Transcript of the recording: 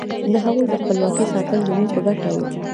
د هغوی د خپلواکۍ ساتل زموږ په ګټه وو.